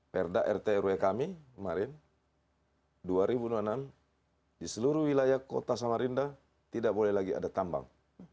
perda rt rw kami kemarin dua ribu dua puluh enam di seluruh wilayah kota samarinda tidak boleh lagi ada tambang